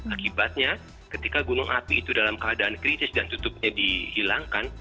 akibatnya ketika gunung api itu dalam keadaan kritis dan tutupnya dihilangkan